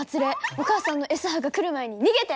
お母さんのＳ波が来る前に逃げて！